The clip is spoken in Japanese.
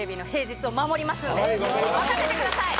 任せてください！